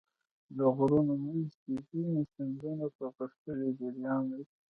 د غرونو منځ کې ځینې سیندونه په غښتلي جریان وي.